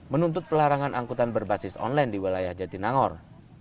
menuntut pelarangan angkutan berbasis online di wilayah jatinangor